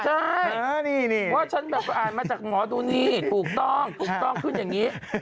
ใช่เพราะฉันแบบอ่านมาจากหมอดูนี่ถูกต้องถูกต้องขึ้นอย่างนี้